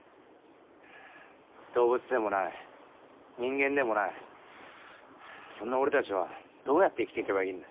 動物でもない人間でもないそんな俺たちはどうやって生きていけばいいんだ？